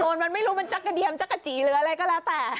มันไม่รู้มันจักรเดียมจักรจีหรืออะไรก็แล้วแต่